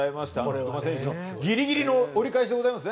三笘選手のギリギリの折り返しでございますね。